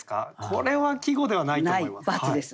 これは季語ではないと思います。